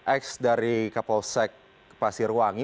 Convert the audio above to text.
ex dari kapolsek pasirwangi